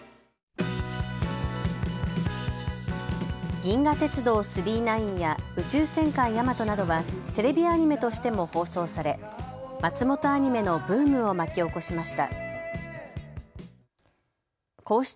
銀河鉄道９９９や宇宙戦艦ヤマトなどはテレビアニメとしても放送され松本アニメのブームを巻き起こしました。